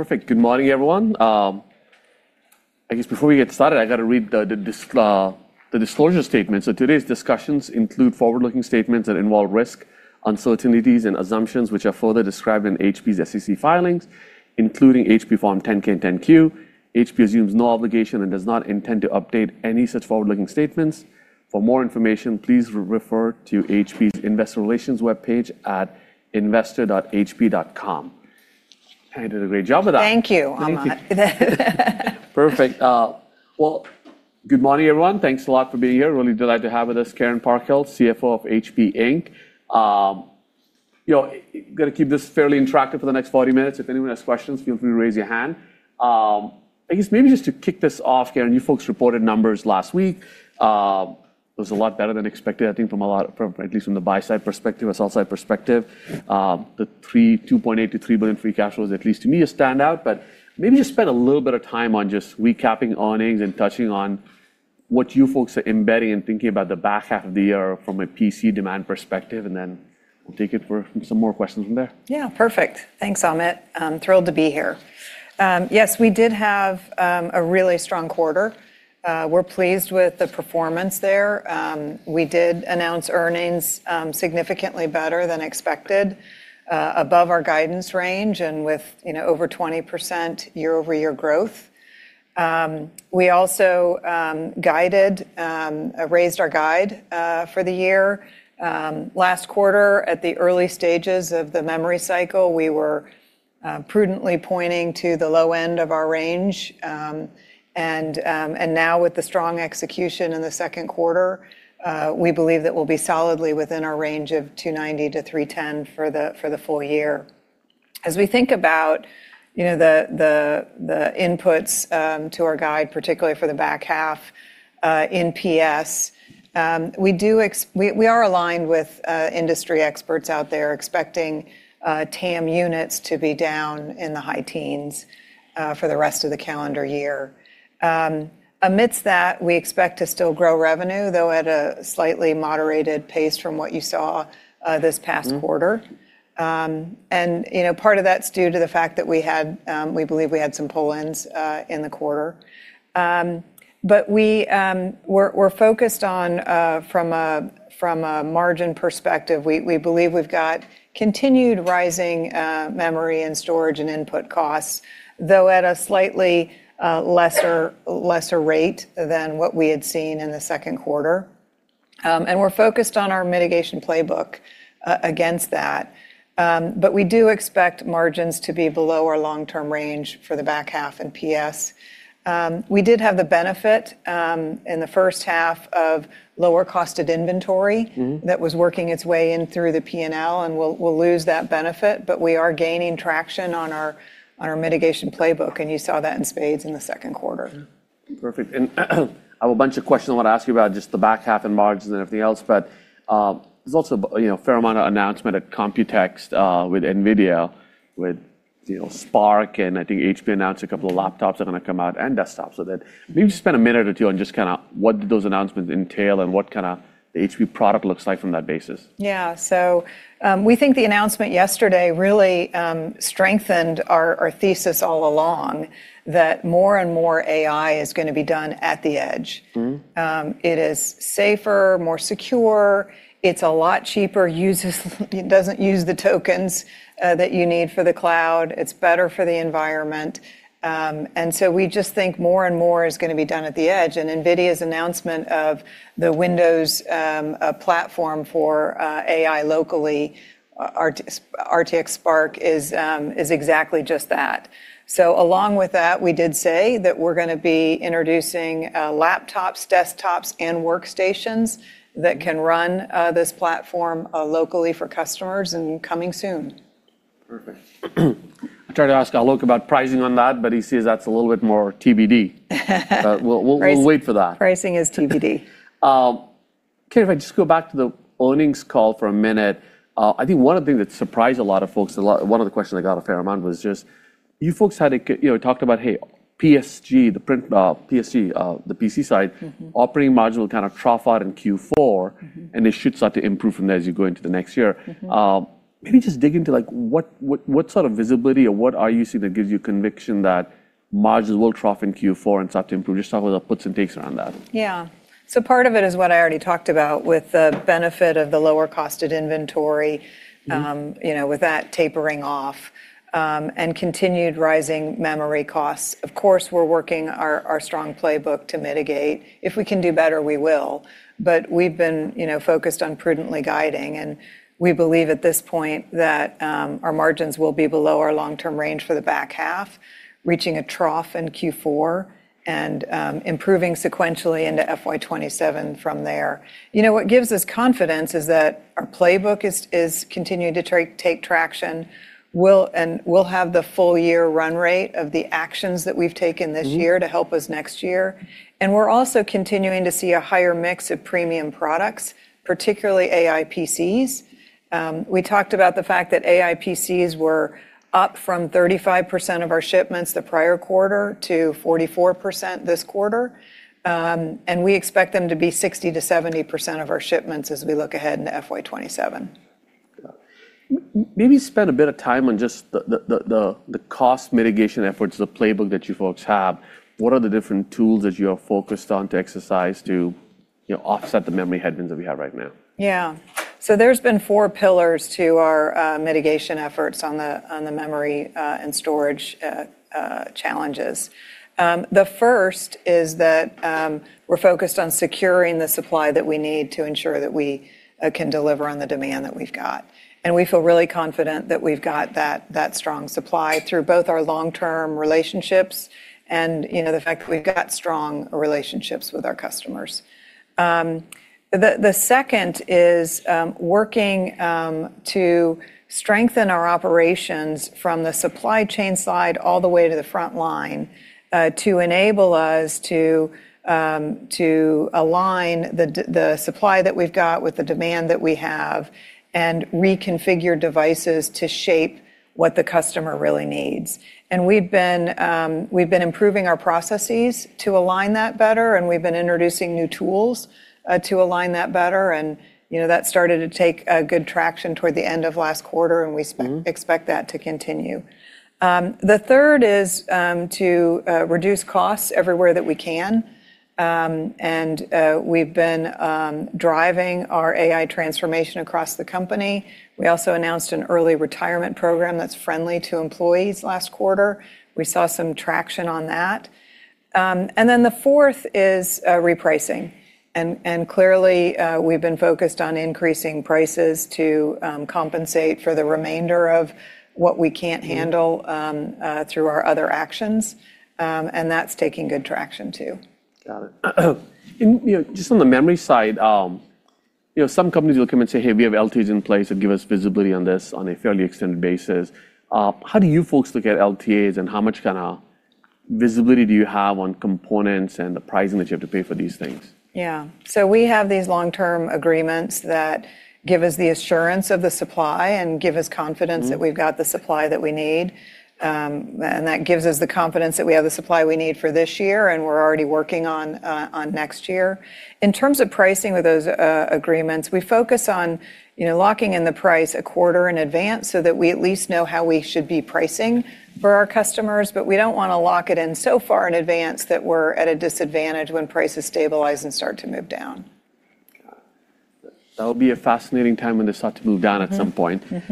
Perfect. Good morning, everyone. I guess before we get started, I got to read the disclosure statement. Today's discussions include forward-looking statements that involve risk, uncertainties, and assumptions which are further described in HP's SEC filings, including HP Form 10-K and 10-Q. HP assumes no obligation and does not intend to update any such forward-looking statements. For more information, please refer to HP's investor relations webpage at investor.hp.com. I did a great job with that. Thank you, Amit. Perfect. Well, good morning, everyone. Thanks a lot for being here. Really delighted to have with us Karen Parkhill, Chief Financial Officer of HP Inc. Going to keep this fairly interactive for the next 40 minutes. If anyone has questions, feel free to raise your hand. I guess maybe just to kick this off, Karen, you folks reported numbers last week. It was a lot better than expected, I think at least from the buy-side perspective or sell-side perspective. The $2.8 billion-$3 billion free cash flow is, at least to me, a standout, but maybe just spend a little bit of time on just recapping earnings and touching on what you folks are embedding and thinking about the back half of the year from a PC demand perspective, and then we'll take it for some more questions from there. Yeah. Perfect. Thanks, Amit. I'm thrilled to be here. Yes, we did have a really strong quarter. We're pleased with the performance there. We did announce earnings significantly better than expected, above our guidance range and with over 20% year-over-year growth. We also raised our guide for the year. Last quarter, at the early stages of the memory cycle, we were prudently pointing to the low end of our range. Now with the strong execution in the second quarter, we believe that we'll be solidly within our range of $290-$310 for the full year. As we think about the inputs to our guide, particularly for the back half in PS, we are aligned with industry experts out there expecting TAM units to be down in the high teens for the rest of the calendar year. Amidst that, we expect to still grow revenue, though at a slightly moderated pace from what you saw this past quarter. Part of that's due to the fact that we believe we had some pull-ins in the quarter. We're focused on, from a margin perspective, we believe we've got continued rising memory and storage and input costs, though at a slightly lesser rate than what we had seen in the second quarter. We're focused on our mitigation playbook against that. We do expect margins to be below our long-term range for the back half in PSG. We did have the benefit in the first half of lower cost of inventory that was working its way in through the P&L. We'll lose that benefit. We are gaining traction on our mitigation playbook, and you saw that in spades in the second quarter. Perfect. I have a bunch of questions I want to ask you about just the back half and margins and everything else, but there's also a fair amount of announcement at Computex with NVIDIA, with Spark, and I think HP announced a couple of laptops are going to come out and desktops. Maybe just spend a minute or two on just what do those announcements entail and what the HP product looks like from that basis. Yeah. We think the announcement yesterday really strengthened our thesis all along that more and more AI is going to be done at the edge. It is safer, more secure, it's a lot cheaper, it doesn't use the tokens that you need for the cloud. It's better for the environment. We just think more and more is going to be done at the edge. NVIDIA's announcement of the Windows platform for AI locally, RTX Spark, is exactly just that. Along with that, we did say that we're going to be introducing laptops, desktops, and workstations that can run this platform locally for customers and coming soon. Perfect. I tried to ask Alex about pricing on that, he says that's a little bit more TBD. We'll wait for that. Pricing is TBD. Karen, if I just go back to the earnings call for a minute. I think one of the things that surprised a lot of folks, one of the questions I got a fair amount was just you folks talked about PSG, the PC side operating margin will kind of trough out in Q4. It should start to improve from there as you go into the next year. Maybe just dig into what sort of visibility or what are you seeing that gives you conviction that margins will trough in Q4 and start to improve? Just talk about the puts and takes around that. Yeah. Part of it is what I already talked about with the benefit of the lower cost of inventory with that tapering off, and continued rising memory costs. Of course, we're working our strong playbook to mitigate. If we can do better, we will. We've been focused on prudently guiding, and we believe at this point that our margins will be below our long-term range for the back half, reaching a trough in Q4 and improving sequentially into FY 2027 from there. What gives us confidence is that our playbook is continuing to take traction, and we'll have the full-year run rate of the actions that we've taken this year to help us next year. We're also continuing to see a higher mix of premium products, particularly AI PCs. We talked about the fact that AI PCs were up from 35% of our shipments the prior quarter to 44% this quarter, and we expect them to be 60%-70% of our shipments as we look ahead into FY 2027. Got it. Maybe spend a bit of time on just the cost mitigation efforts, the playbook that you folks have. What are the different tools that you are focused on to exercise to offset the memory headwinds that we have right now? There's been four pillars to our mitigation efforts on the memory and storage challenges. The first is that we're focused on securing the supply that we need to ensure that we can deliver on the demand that we've got. We feel really confident that we've got that strong supply through both our long-term relationships and the fact that we've got strong relationships with our customers. The second is working to strengthen our operations from the supply chain side all the way to the front line to enable us to align the supply that we've got with the demand that we have and reconfigure devices to shape what the customer really needs. We've been improving our processes to align that better, and we've been introducing new tools to align that better. That started to take a good traction toward the end of last quarter. We expect that to continue. The third is to reduce costs everywhere that we can. We've been driving our AI transformation across the company. We also announced an early retirement program that's friendly to employees last quarter. We saw some traction on that. The fourth is repricing. Clearly, we've been focused on increasing prices to compensate for the remainder of what we can't handle through our other actions. That's taking good traction, too. Got it. Just on the memory side, some companies will come and say, "Hey, we have LTAs in place that give us visibility on this on a fairly extended basis." How do you folks look at LTAs, and how much visibility do you have on components and the pricing that you have to pay for these things? We have these long-term agreements that give us the assurance of the supply and give us confidence that we've got the supply that we need. That gives us the confidence that we have the supply we need for this year, and we're already working on next year. In terms of pricing with those agreements, we focus on locking in the price a quarter in advance so that we at least know how we should be pricing for our customers. We don't want to lock it in so far in advance that we're at a disadvantage when prices stabilize and start to move down. Got it. That'll be a fascinating time when they start to move down at some point. I'd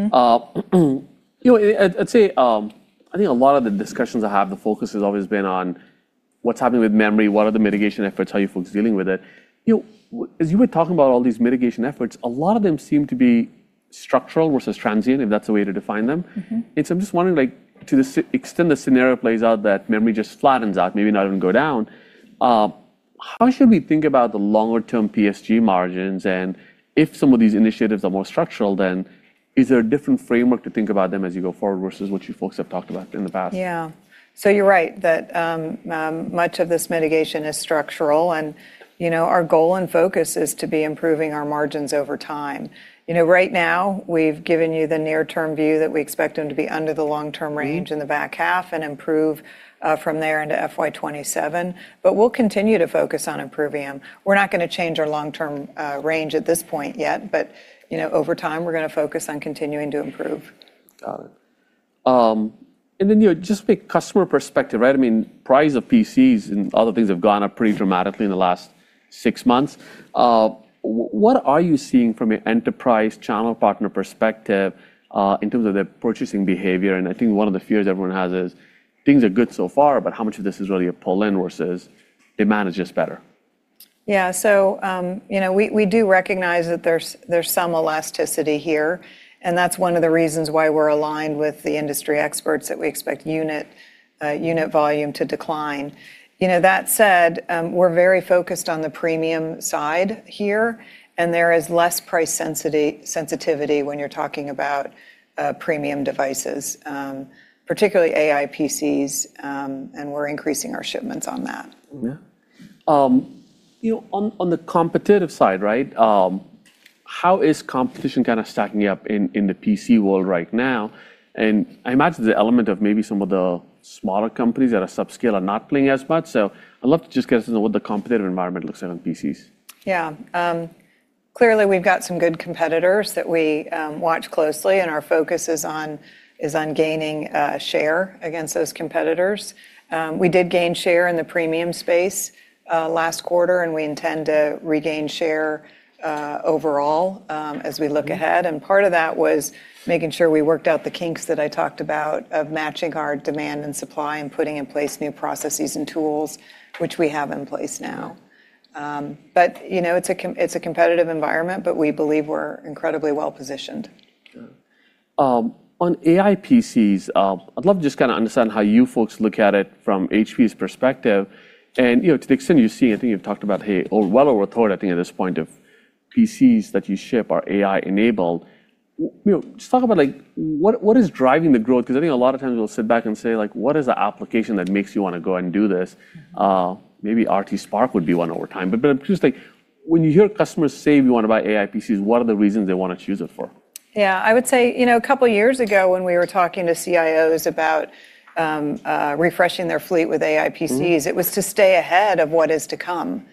say, I think a lot of the discussions I have, the focus has always been on what's happening with memory, what are the mitigation efforts, how are you folks dealing with it? As you were talking about all these mitigation efforts, a lot of them seem to be structural versus transient, if that's the way to define them. I'm just wondering, to the extent the scenario plays out that memory just flattens out, maybe not even go down, how should we think about the longer-term PSG margins? If some of these initiatives are more structural, then is there a different framework to think about them as you go forward versus what you folks have talked about in the past? You're right, that much of this mitigation is structural, and our goal and focus is to be improving our margins over time. Right now, we've given you the near-term view that we expect them to be under the long-term range in the back half and improve from there into FY 2027. We'll continue to focus on improving them. We're not going to change our long-term range at this point yet, but over time, we're going to focus on continuing to improve. Got it. Then just with customer perspective, price of PCs and other things have gone up pretty dramatically in the last six months. What are you seeing from an enterprise channel partner perspective in terms of their purchasing behavior? I think one of the fears everyone has is things are good so far, but how much of this is really a pull-in versus demand is just better? Yeah. We do recognize that there's some elasticity here, and that's one of the reasons why we're aligned with the industry experts that we expect unit volume to decline. That said, we're very focused on the premium side here, and there is less price sensitivity when you're talking about premium devices, particularly AI PCs, and we're increasing our shipments on that. Yeah. On the competitive side, how is competition stacking up in the PC world right now? I imagine there's an element of maybe some of the smaller companies that are subscale are not playing as much. I'd love to just get us into what the competitive environment looks like on PCs. Yeah. Clearly, we've got some good competitors that we watch closely, and our focus is on gaining share against those competitors. We did gain share in the premium space last quarter, and we intend to regain share overall as we look ahead. Part of that was making sure we worked out the kinks that I talked about of matching our demand and supply and putting in place new processes and tools, which we have in place now. It's a competitive environment, but we believe we're incredibly well-positioned. Yeah. On AI PCs, I'd love to just understand how you folks look at it from HP's perspective. To the extent you see, I think you've talked about, well over a third, I think at this point, of PCs that you ship are AI-enabled. Just talk about what is driving the growth, because I think a lot of times we'll sit back and say, "What is the application that makes you want to go out and do this?" Maybe RTX Spark would be one over time. Just when you hear customers say they want to buy AI PCs, what are the reasons they want to choose it for? Yeah, I would say, a couple years ago when we were talking to CIOs about refreshing their fleet with AI PCs, it was to stay ahead of what is to come.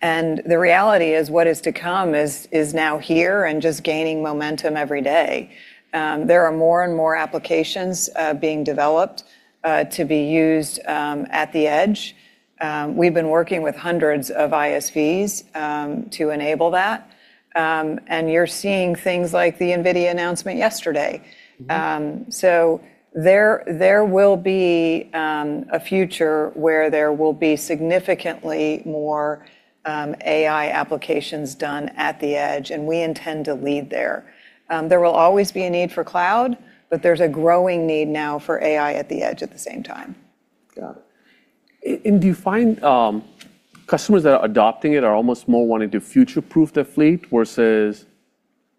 The reality is what is to come is now here and just gaining momentum every day. There are more and more applications being developed to be used at the edge. We've been working with hundreds of ISVs to enable that. You're seeing things like the NVIDIA announcement yesterday. There will be a future where there will be significantly more AI applications done at the edge. We intend to lead there. There will always be a need for cloud. There's a growing need now for AI at the edge at the same time. Got it. Do you find customers that are adopting it are almost more wanting to future-proof their fleet versus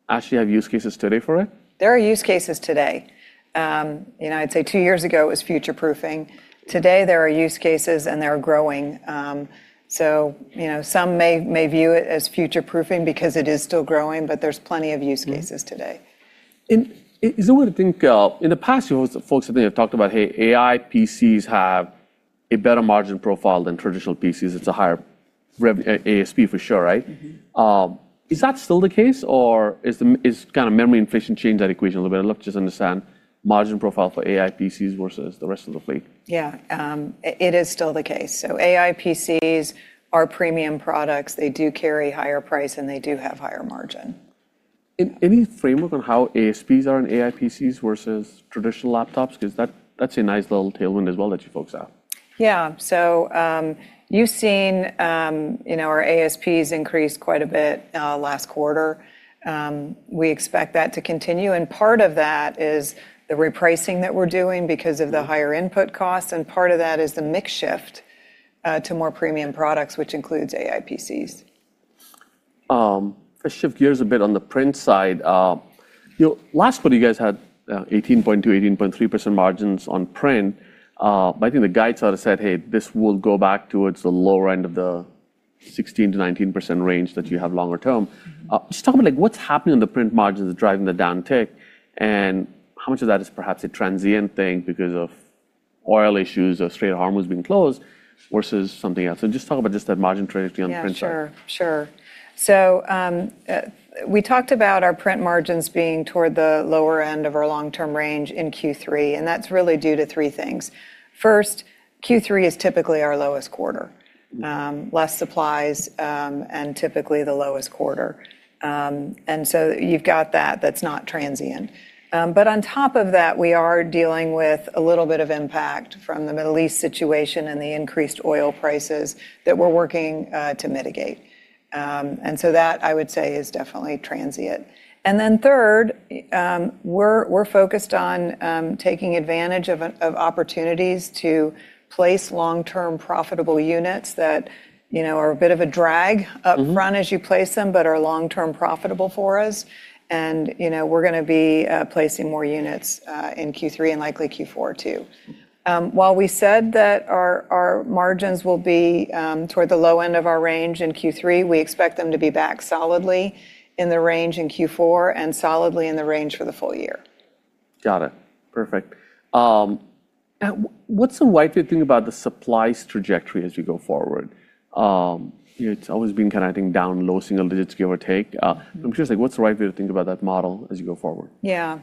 actually have use cases today for it? There are use cases today. I'd say two years ago it was future-proofing. Today there are use cases, and they're growing. Some may view it as future-proofing because it is still growing, but there's plenty of use cases today. Is it worth to think, in the past years, folks have talked about, "Hey, AI PCs have a better margin profile than traditional PCs." It's a higher ASP for sure, right? Is that still the case, or is kind of memory inflation changed that equation a little bit? I'd love to just understand margin profile for AI PCs versus the rest of the fleet. It is still the case. AI PCs are premium products. They do carry a higher price, and they do have higher margin. Any framework on how ASPs are on AI PCs versus traditional laptops? That's a nice little tailwind as well that you folks have. You've seen our ASPs increase quite a bit last quarter. We expect that to continue, and part of that is the repricing that we're doing because of the higher input costs, and part of that is the mix shift, to more premium products, which includes AI PCs. Let's shift gears a bit on the print side. Last quarter you guys had 18.2%, 18.3% margins on print. I think the guide sort of said, "Hey, this will go back towards the lower end of the 16%-19% range that you have longer term. Just talk about what's happening on the print margins that's driving the downtick, and how much of that is perhaps a transient thing because of oil issues or Strait of Hormuz being closed versus something else. Just talk about just that margin trajectory on the print side. Yeah, sure. We talked about our print margins being toward the lower end of our long-term range in Q3, and that's really due to three things. First, Q3 is typically our lowest quarter. Less supplies, and typically the lowest quarter. You've got that's not transient. On top of that, we are dealing with a little bit of impact from the Middle East situation and the increased oil prices that we're working to mitigate. That, I would say, is definitely transient. Third, we're focused on taking advantage of opportunities to place long-term profitable units that are a bit of a drag, up front as you place them, but are long-term profitable for us. We're going to be placing more units in Q3 and likely Q4 too. While we said that our margins will be toward the low end of our range in Q3, we expect them to be back solidly in the range in Q4 and solidly in the range for the full year. Got it. Perfect. What's the right way to think about the supplies trajectory as we go forward? It's always been kind of, I think, down low single digits, give or take. I'm curious, what's the right way to think about that model as you go forward? Yeah.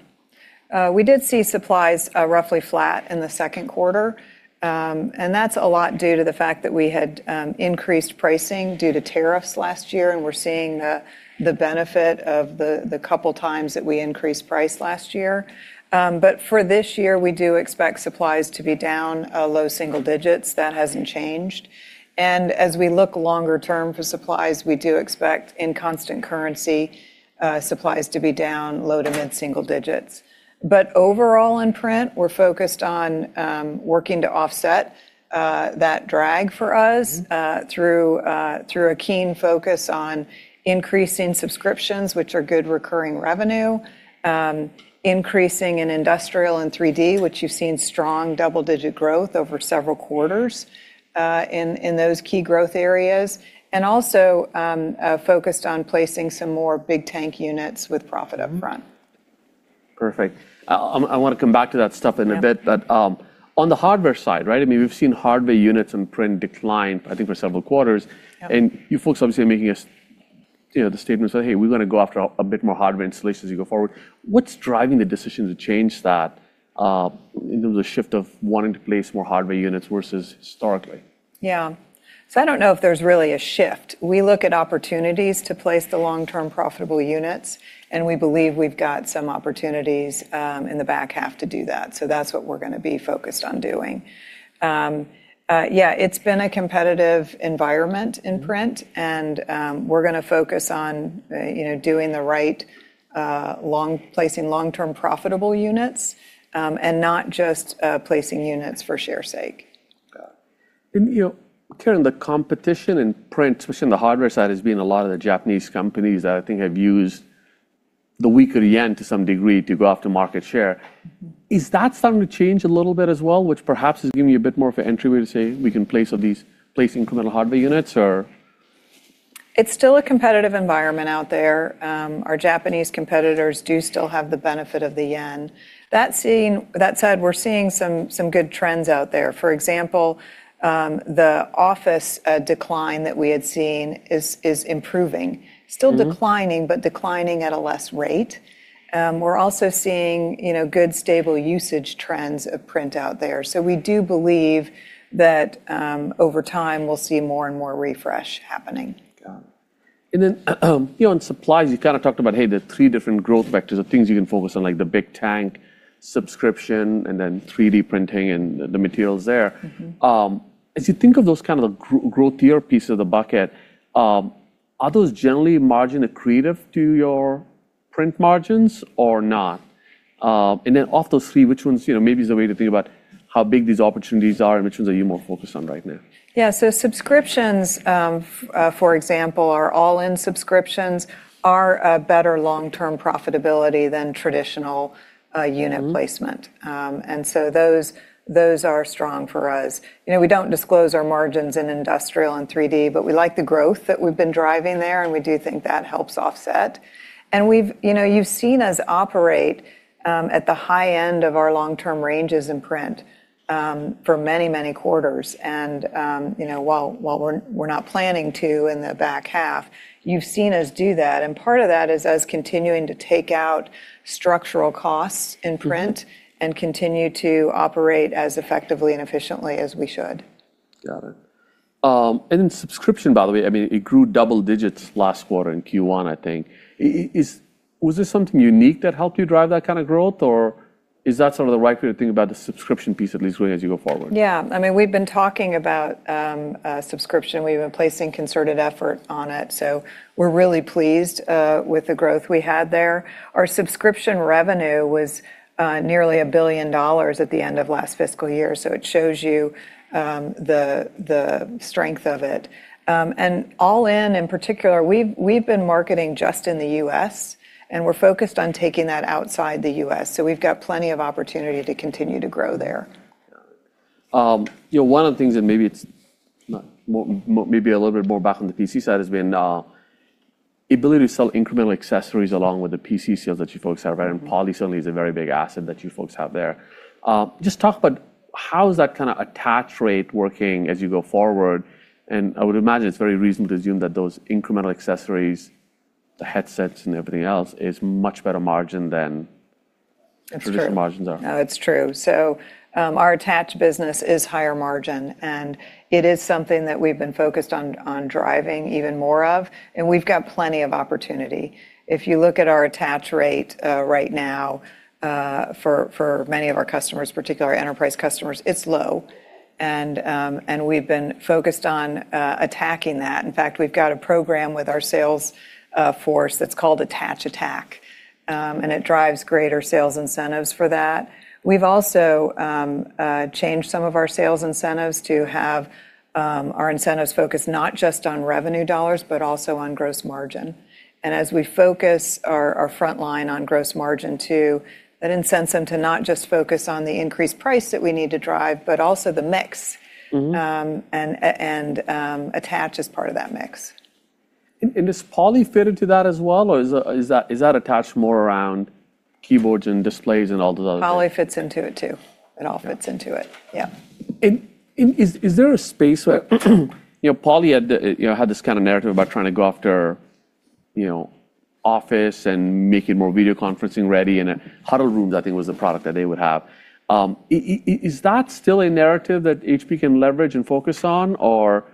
We did see supplies roughly flat in the second quarter. That's a lot due to the fact that we had increased pricing due to tariffs last year, and we're seeing the benefit of the couple times that we increased price last year. For this year, we do expect supplies to be down, low single digits. That hasn't changed. As we look longer term for supplies, we do expect, in constant currency, supplies to be down low to mid single digits. Overall in print, we're focused on working to offset that drag for us through a keen focus on increasing subscriptions, which are good recurring revenue. Increasing in industrial and 3D, which you've seen strong double-digit growth over several quarters in those key growth areas. Also, focused on placing some more Big Tank units with profit up front. Perfect. I want to come back to that stuff in a bit. Yep. On the hardware side, right? We've seen hardware units and print decline, I think for several quarters. Yep. You folks obviously are making a statement saying, "Hey, we're going to go after a bit more hardware installations as you go forward." What's driving the decision to change that, in terms of shift of wanting to place more hardware units versus historically? Yeah. I don't know if there's really a shift. We look at opportunities to place the long-term profitable units, and we believe we've got some opportunities in the back half to do that. That's what we're going to be focused on doing. Yeah, it's been a competitive environment in print, and we're going to focus on doing the right placing long-term profitable units, and not just placing units for share's sake. Got it. Karen, the competition in print, especially on the hardware side, has been a lot of the Japanese companies that I think have used the weaker yen to some degree to go after market share. Is that starting to change a little bit as well, which perhaps is giving you a bit more of an entry way to say, we can place incremental hardware units? It's still a competitive environment out there. Our Japanese competitors do still have the benefit of the yen. That said, we're seeing some good trends out there. For example, the office decline that we had seen is improving. Still declining, but declining at a less rate. We're also seeing good, stable usage trends of print out there. We do believe that over time, we'll see more and more refresh happening. Got it. On supplies, you talked about, hey, there are three different growth vectors of things you can focus on, like the Big Tank subscription and then 3D printing and the materials there. As you think of those growthier pieces of the bucket, are those generally margin accretive to your print margins or not? Of those three, which ones maybe is a way to think about how big these opportunities are and which ones are you more focused on right now? Yeah. Subscriptions for example, our all-in subscriptions are a better long-term profitability than traditional unit placement. Those are strong for us. We don't disclose our margins in industrial and 3D, but we like the growth that we've been driving there, and we do think that helps offset. You've seen us operate at the high end of our long-term ranges in print for many quarters. While we're not planning to in the back half, you've seen us do that. Part of that is us continuing to take out structural costs in print and continue to operate as effectively and efficiently as we should. Got it. Subscription, by the way, it grew double digits last quarter in Q1, I think. Was this something unique that helped you drive that kind of growth, or is that sort of the right way to think about the subscription piece at least going as you go forward? Yeah. We've been talking about subscription. We've been placing concerted effort on it, so we're really pleased with the growth we had there. Our subscription revenue was nearly $1 billion at the end of last fiscal year, so it shows you the strength of it. All-in, in particular, we've been marketing just in the U.S., and we're focused on taking that outside the U.S. We've got plenty of opportunity to continue to grow there. One of the things that maybe it's a little bit more back on the PC side has been ability to sell incremental accessories along with the PC sales that you folks have. Poly certainly is a very big asset that you folks have there. Just talk about how is that kind of attach rate working as you go forward? I would imagine it's very reasonable to assume that those incremental accessories, the headsets and everything else, is much better margin than traditional margins are. It's true. Our attach business is higher margin, and it is something that we've been focused on driving even more of, and we've got plenty of opportunity. If you look at our attach rate right now for many of our customers, particularly our enterprise customers, it's low. We've been focused on attacking that. In fact, we've got a program with our sales force that's called Attach Attack, and it drives greater sales incentives for that. We've also changed some of our sales incentives to have our incentives focused not just on revenue dollars but also on gross margin. As we focus our frontline on gross margin too, that incents them to not just focus on the increased price that we need to drive, but also the mixed attach as part of that mix. Is Poly fitted to that as well, or is that attached more around keyboards and displays and all those other things? Poly fits into it too. It all fits into it. Yeah. Is there a space where Poly had this kind of narrative about trying to go after office and make it more video conferencing ready and Huddle Room, I think, was the product that they would have? Is that still a narrative that HP can leverage and focus on, or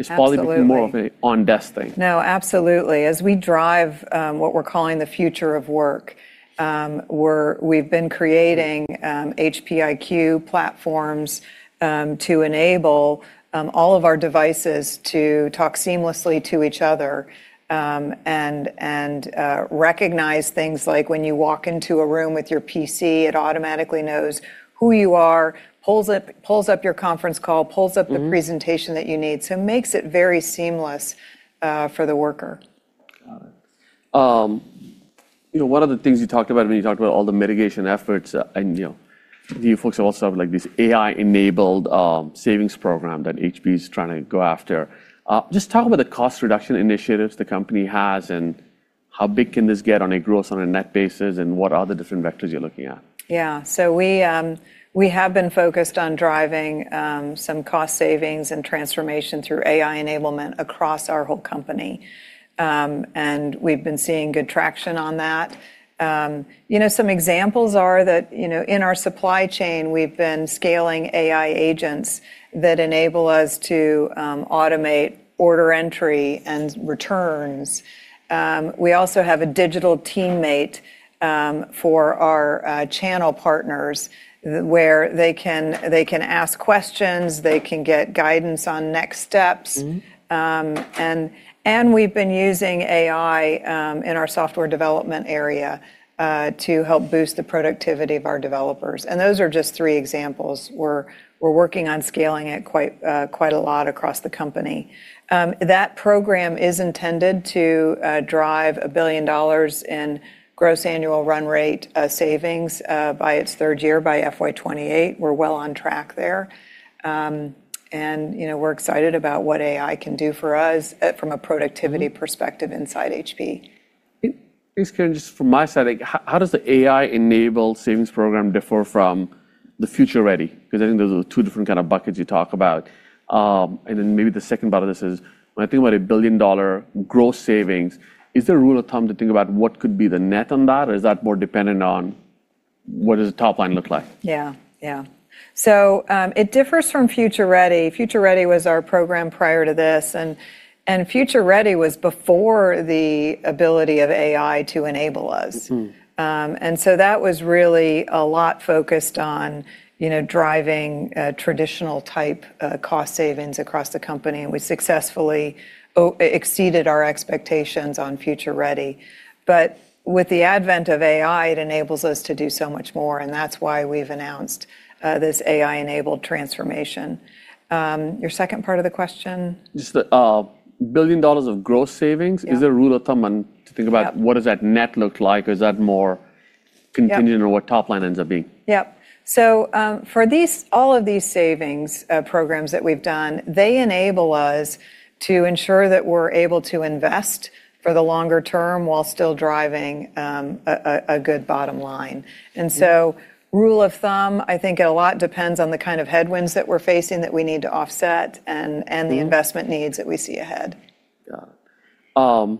is Poly more of an on-desk thing? No, absolutely. As we drive what we're calling the future of work, we've been creating HP IQ platforms to enable all of our devices to talk seamlessly to each other, and recognize things like when you walk into a room with your PC, it automatically knows who you are, pulls up your conference call, pulls up the presentation that you need. It makes it very seamless for the worker. Got it. You folks also have this AI-Enabled Savings Program that HP is trying to go after. Just talk about the cost reduction initiatives the company has and how big can this get on a gross on a net basis, and what are the different vectors you're looking at? Yeah. We have been focused on driving some cost savings and transformation through AI enablement across our whole company. We've been seeing good traction on that. Some examples are that in our supply chain, we've been scaling AI agents that enable us to automate order entry and returns. We also have a digital teammate for our channel partners where they can ask questions, they can get guidance on next steps. We've been using AI in our software development area to help boost the productivity of our developers. Those are just three examples. We're working on scaling it quite a lot across the company. That program is intended to drive $1 billion in gross annual run rate savings by its third year by FY 2028. We're well on track there. We're excited about what AI can do for us from a productivity perspective inside HP. Thanks, Karen. Just from my side, how does the AI-enabled savings program differ from the Future Ready? I think those are two different kind of buckets you talk about. Maybe the second part of this is, when I think about $1 billion gross savings, is there a rule of thumb to think about what could be the net on that? Is that more dependent on what does the top line look like? Yeah. It differs from Future Ready. Future Ready was our program prior to this, and Future Ready was before the ability of AI to enable us. That was really a lot focused on driving traditional type cost savings across the company, and we successfully exceeded our expectations on Future Ready. With the advent of AI, it enables us to do so much more, and that's why we've announced this AI-enabled transformation. Your second part of the question? Just the $1 billion of gross savings, is there a rule of thumb to think about? Yep. What does that net look like? Is that more contingent on what top line ends up being? Yep. For all of these savings programs that we've done, they enable us to ensure that we're able to invest for the longer term while still driving a good bottom line. Rule of thumb, I think a lot depends on the kind of headwinds that we're facing that we need to offset and the investment needs that we see ahead. Yeah.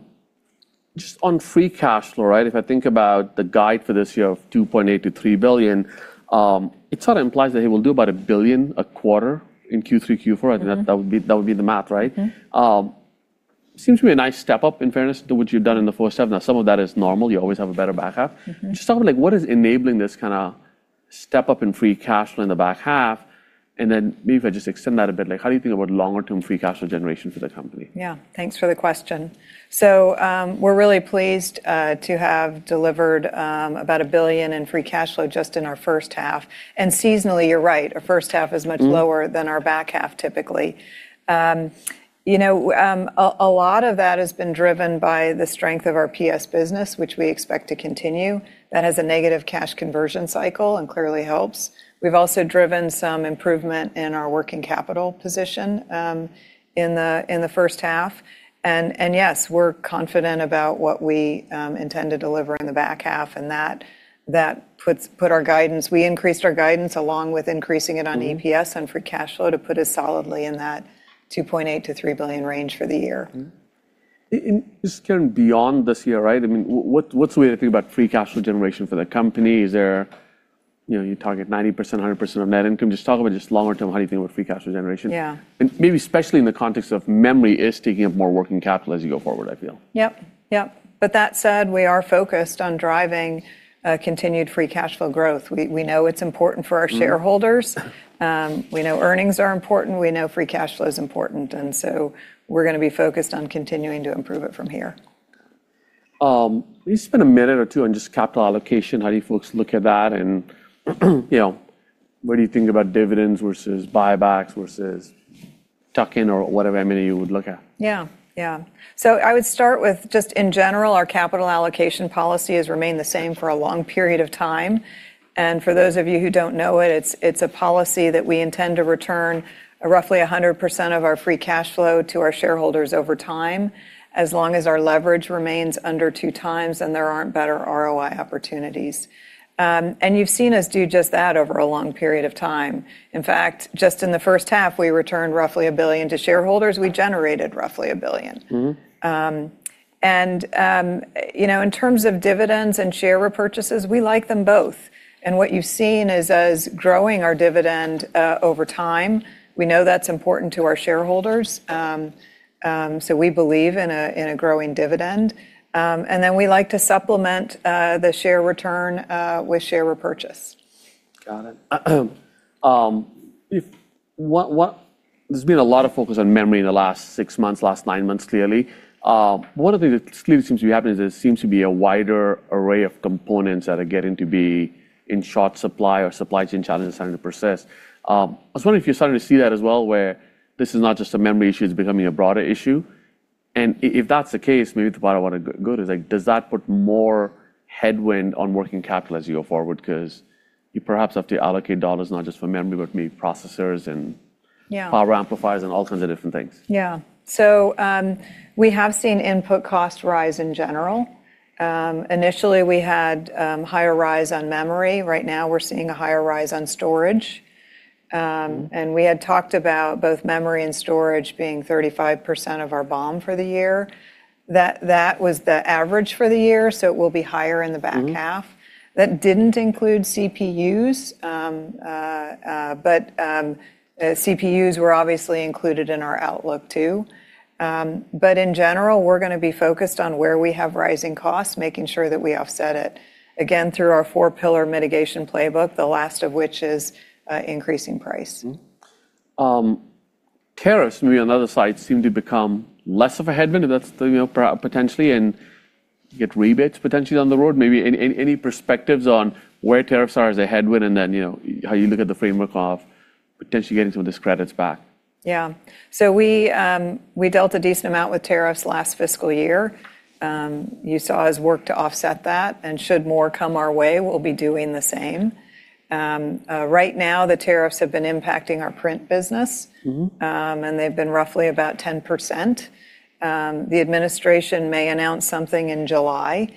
Just on free cash flow, right? If I think about the guide for this year of $2.8 billion-$3 billion, it sort of implies that it will do about $1 billion a quarter in Q3, Q4. I think that would be the math, right? It seems to be a nice step up, in fairness, to what you've done in the first half. Some of that is normal. You always have a better back half. Just talking about, what is enabling this kind of step up in free cash flow in the back half? Maybe if I just extend that a bit, how do you think about longer-term free cash flow generation for the company? Yeah. Thanks for the question. We're really pleased to have delivered about $1 billion in free cash flow just in our first half. Seasonally, you're right, our first half is much lower than our back half typically. A lot of that has been driven by the strength of our PSG business, which we expect to continue. That has a negative cash conversion cycle and clearly helps. We've also driven some improvement in our working capital position in the first half. Yes, we're confident about what we intend to deliver in the back half, and that put our guidance-- We increased our guidance along with increasing it on EPS and free cash flow to put us solidly in that $2.8 billion-$3 billion range for the year. Just, Karen, beyond this year, right, what's the way to think about free cash flow generation for the company? You target 90%, 100% of net income. Just talk about longer term, how do you think about free cash flow generation? Yeah. Maybe especially in the context of memory is taking up more working capital as you go forward, I feel. Yep. That said, we are focused on driving continued free cash flow growth. We know it's important for our shareholders. We know earnings are important. We know free cash flow is important, and so we're going to be focused on continuing to improve it from here. Can you spend a minute or two on just capital allocation? How do you folks look at that? What do you think about dividends versus buybacks versus tuck-in or whatever M&A you would look at? Yeah. I would start with just in general, our capital allocation policy has remained the same for a long period of time. For those of you who don't know it's a policy that we intend to return roughly 100% of our free cash flow to our shareholders over time, as long as our leverage remains under 2x and there aren't better ROI opportunities. You've seen us do just that over a long period of time. In fact, just in the first half, we returned roughly $1 billion to shareholders. We generated roughly $1 billion. In terms of dividends and share repurchases, we like them both. What you've seen is us growing our dividend over time. We know that's important to our shareholders. We believe in a growing dividend. Then we like to supplement the share return with share repurchase. Got it. There's been a lot of focus on memory in the last six months, last nine months clearly. One of the things that clearly seems to be happening is there seems to be a wider array of components that are getting to be in short supply or supply chain challenges starting to persist. I was wondering if you're starting to see that as well, where this is not just a memory issue, it's becoming a broader issue. If that's the case, maybe the part I want to go to is, does that put more headwind on working capital as you go forward? Because you perhaps have to allocate dollars not just for memory, but maybe processors power amplifiers and all kinds of different things. We have seen input cost rise in general. Initially, we had higher rise on memory. Right now, we're seeing a higher rise on storage. We had talked about both memory and storage being 35% of our BOM for the year. That was the average for the year, so it will be higher in the back half. That didn't include CPUs. CPUs were obviously included in our outlook too. In general, we're going to be focused on where we have rising costs, making sure that we offset it, again, through our four-pillar mitigation playbook, the last of which is increasing price. Tariffs maybe on the other side seem to become less of a headwind if that's potentially and get rebates potentially down the road. Maybe any perspectives on where tariffs are as a headwind and then how you look at the framework of potentially getting some of those credits back. Yeah. We dealt a decent amount with tariffs last fiscal year. You saw us work to offset that, and should more come our way, we'll be doing the same. Right now, the tariffs have been impacting our print business. They've been roughly about 10%. The administration may announce something in July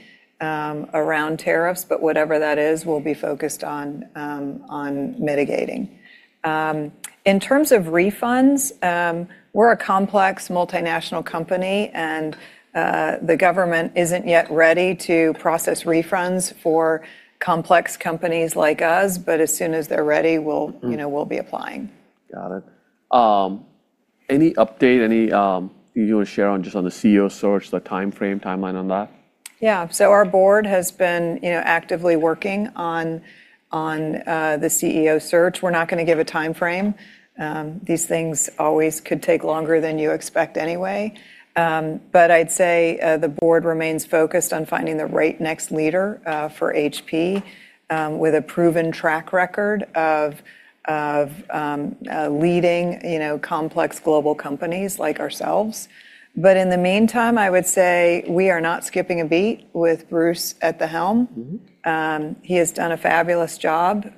around tariffs, but whatever that is, we'll be focused on mitigating. In terms of refunds, we're a complex multinational company, and the government isn't yet ready to process refunds for complex companies like us. As soon as they're ready, we'll be applying. Got it. Any update, anything you want to share on just on the Chief Executive Officer search, the timeframe, timeline on that? Yeah. Our board has been actively working on the Chief Executive Officer search. We're not going to give a timeframe. These things always could take longer than you expect anyway. I'd say the board remains focused on finding the right next leader for HP, with a proven track record of leading complex global companies like ourselves. In the meantime, I would say we are not skipping a beat with Bruce at the helm. He has done a fabulous job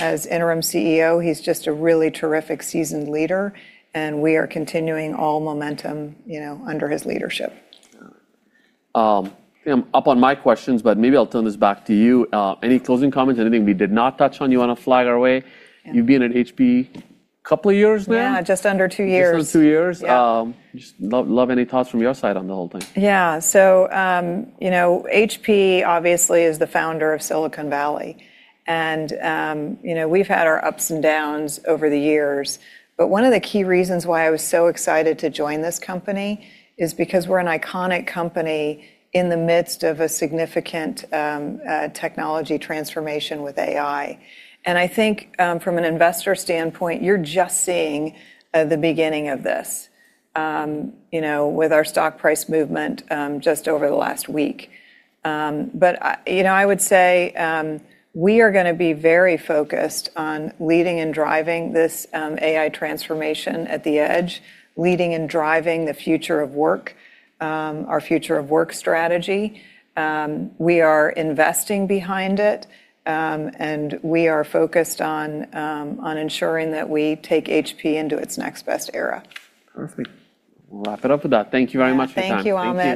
as Interim Chief Executive Officer. He's just a really terrific, seasoned leader, and we are continuing all momentum under his leadership. Yeah. I'm up on my questions, but maybe I'll turn this back to you. Any closing comments? Anything we did not touch on you want to flag our way? Yeah. You've been at HP a couple of years now. Yeah, just under two years. Just under two years. Yeah. Just love any thoughts from your side on the whole thing. Yeah. HP obviously is the founder of Silicon Valley. We've had our ups and downs over the years. One of the key reasons why I was so excited to join this company is because we're an iconic company in the midst of a significant technology transformation with AI. I think from an investor standpoint, you're just seeing the beginning of this, with our stock price movement just over the last week. I would say we are going to be very focused on leading and driving this AI transformation at the edge, leading and driving the future of work, our future of work strategy. We are investing behind it. We are focused on ensuring that we take HP into its next best era. Perfect. We'll wrap it up with that. Thank you very much for your time. Thank you, Amit.